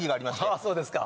あそうですか。